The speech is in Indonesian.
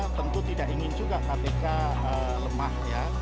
kita tentu tidak ingin juga kpk lemah ya